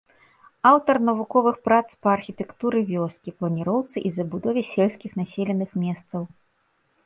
Аўтар навуковых прац па архітэктуры вёскі, планіроўцы і забудове сельскіх населеных месцаў.